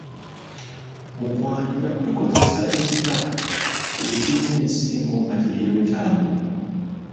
Mu kwanjula tukozesa ekita ekirina ensingo nga teyeewetaamu.